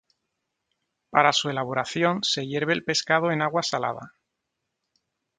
Para su elaboración se hierve el pescado en agua salada.